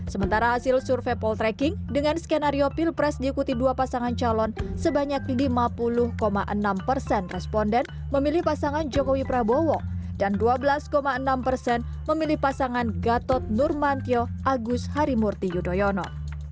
sementara hasil survei poltreking dengan skenario pilpres diikuti dua pasangan calon sebanyak lima puluh enam persen responden memilih pasangan jokowi prabowo dan dua belas enam persen memilih pasangan gatot nurmantio agus harimurti yudhoyono